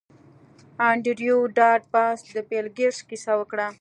انډریو ډاټ باس د بیل ګیټس کیسه وکړه